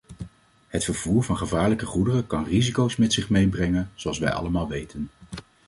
Het vervoer van gevaarlijke goederen kan risico's met zich meebrengen, zoals wij allemaal weten.